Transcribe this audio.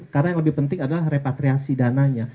karena yang lebih penting adalah repatriasi dananya